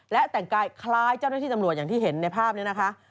และแต่งกายคล้ายเจ้าหน้าที่ตำรวจอย่างที่เห็นในภาพนี้นะคะ